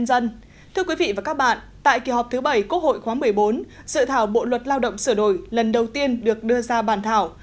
dự thảo bộ luật lao động sửa đổi lần đầu tiên được đưa ra bàn thảo